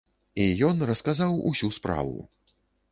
І ён расказаў усю справу.